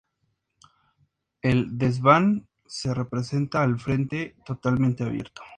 El desván se presenta al frente totalmente abierto.